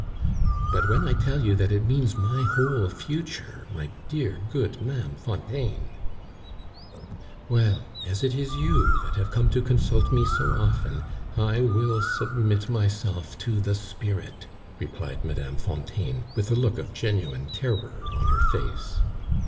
"But when I tell you that it means my whole future, my dear good Ma'am Fontaine " "Well, as it is you that have come to consult me so often, I will submit myself to the Spirit!" replied Mme. Fontaine, with a look of genuine terror on her face.